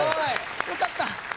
よかった。